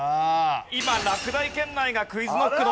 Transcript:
今落第圏内がＱｕｉｚＫｎｏｃｋのお二人です。